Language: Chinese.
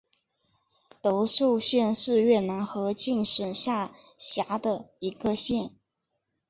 德寿县是越南河静省下辖的一个县。